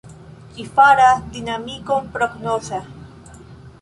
Ĝi faras dinamikon prognoza.